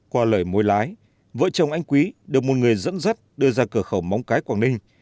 qua lời môi lái vợ chồng anh quý được một người dẫn dắt đưa ra cửa khẩu móng cái quảng ninh